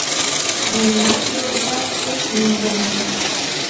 Мемнан родыжат пеш мӱндырнӧ -